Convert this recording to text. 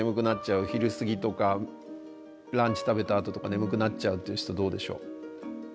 昼過ぎとかランチ食べたあととか眠くなっちゃうっていう人どうでしょう。